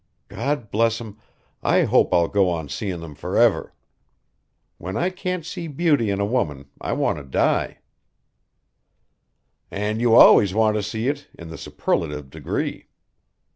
God bless 'em, I hope I'll go on seeing them forever. When I can't see beauty in woman I want to die." "And you always want to see it in the superlative degree."